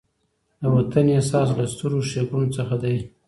د وطن احساس له سترو ښېګڼو څخه دی.